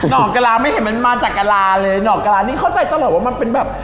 อกกะลาไม่เห็นมันมาจากกะลาเลยหนอกกะลานี่เข้าใจตลอดว่ามันเป็นแบบ